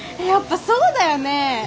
やっぱそうだよね。